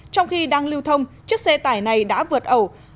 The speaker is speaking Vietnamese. trong khi đang lưu thông chiếc xe tải này đã vượt ẩu